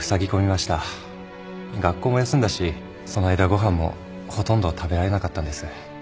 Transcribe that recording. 学校も休んだしその間ご飯もほとんど食べられなかったんです。